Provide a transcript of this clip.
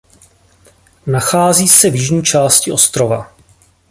Nachází se v jižní části ostrova.